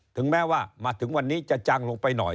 ถึงแม้ว่ามาถึงวันนี้จะจางลงไปหน่อย